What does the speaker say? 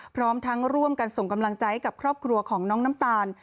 พร้อมทั้งร่วมกันส่งกำลังใจให้กับครอบครัวของน้องน้ำตาล